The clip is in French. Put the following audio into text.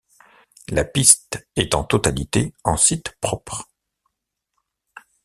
La piste est en totalité en site propre.